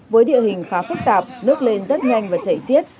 với địa hình khá phức tạp nước lên rất nhanh và chảy xiết